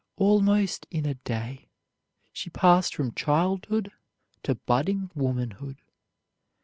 Almost in a day she passed from childhood to budding womanhood.